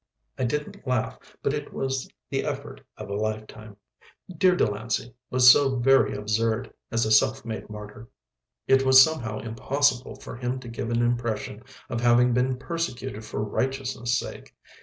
I didn't laugh, but it was the effort of a lifetime. Dear Delancey was so very absurd as a self made martyr. It was somehow impossible for him to give an impression of having been persecuted for righteousness' sake.